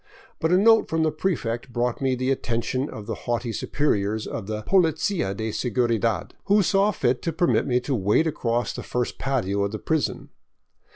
But a note from the prefect brought me the attention of the haughty superiors of the " Policia de Seguridad," who saw fit to permit me to wade across the first patio of the prison.